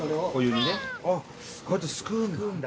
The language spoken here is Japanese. こうやってすくうんだ。